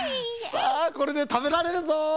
さあこれでたべられるぞ！